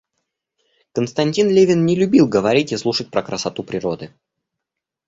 Константин Левин не любил говорить и слушать про красоту природы.